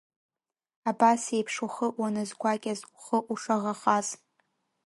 Абасеиԥш ухы уаназгәакьаз, ухы ушаӷахаз.